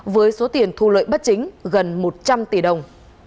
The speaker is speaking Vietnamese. với số tiền thu lợi bất chính gần một trăm linh tỷ đồng